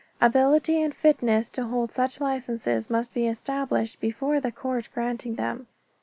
Ability and fitness to hold such licenses must be established before the court granting them.